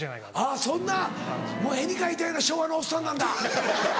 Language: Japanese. あっそんなもう絵に描いたような昭和のおっさんなんだ。